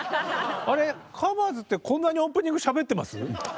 あれ「ＴｈｅＣｏｖｅｒｓ」ってこんなにオープニングしゃべってます